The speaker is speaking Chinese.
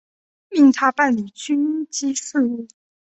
命他办理军机事务。